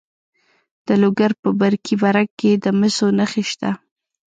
د لوګر په برکي برک کې د مسو نښې شته.